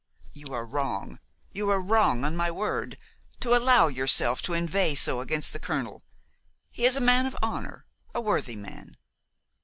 "You are wrong, you are wrong, on my word, to allow yourself to inveigh so against the colonel; he is a man of honor, a worthy man."